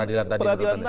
peradilan tadi menurut anda